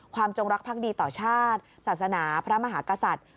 จงรักภักดีต่อชาติศาสนาพระมหากษัตริย์